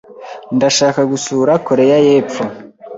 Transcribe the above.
Ndashaka gusura Koreya y'Epfo.